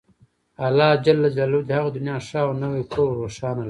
الله ﷻ دې يې هغه دنيا ښه او نوی کور روښانه لري